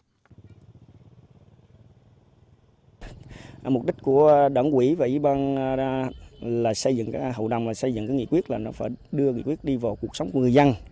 hậu đồng xây dựng nghị quyết là nó phải đưa nghị quyết đi vào cuộc sống của người dân